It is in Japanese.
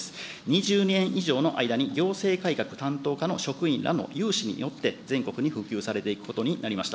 ２０年以上の間に行政改革担当課の職員らのゆうしによって全国に普及されていくことになりました。